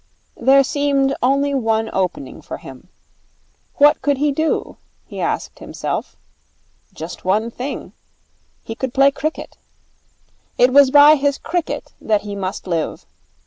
There seemed only one opening for him. What could he do, he asked himself. Just one thing. He could play cricket. It was by his cricket that he must live.